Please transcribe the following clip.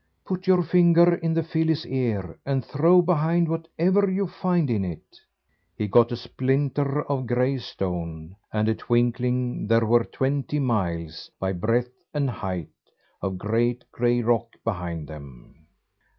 "Put your finger in the filly's ear, and throw behind whatever you find in it." He got a splinter of grey stone, and in a twinkling there were twenty miles, by breadth and height, of great grey rock behind them.